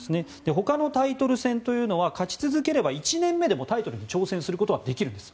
ほかのタイトル戦というのは勝ち続ければ１年目でタイトルに挑戦することはできるんです。